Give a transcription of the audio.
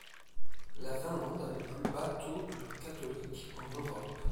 La Finlande a le plus bas taux de catholiques en Europe.